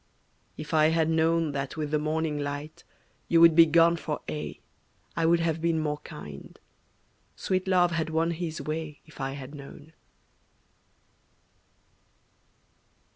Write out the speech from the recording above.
If I had known That with the morning light you would be gone for aye I would have been more kind; sweet Love had won his way If I had known.